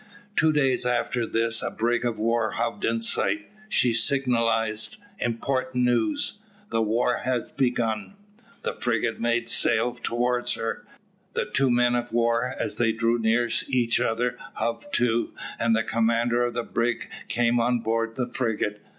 Two days after this a brig of war hove in sight. She signalised "Important news", "The war has begun." The frigate made sail towards her. The two men of war, as they drew near each other, hove to, and the commander of the brig came on board the frigate.